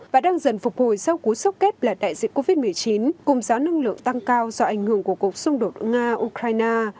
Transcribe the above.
và đang dần phục hồi sau cú sốc kép là đại dịch covid một mươi chín cùng giá năng lượng tăng cao do ảnh hưởng của cuộc xung đột nga ukraine